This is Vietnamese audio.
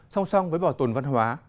song song với bảo tồn văn hóa